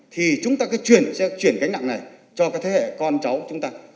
thì chúng ta sẽ chuyển cánh nặng này cho thế hệ con cháu chúng ta